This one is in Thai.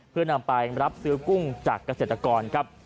เพื่อนำไปรับซื้อกุ้งจากเกษตรกรครับ